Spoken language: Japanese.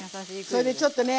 それでちょっとね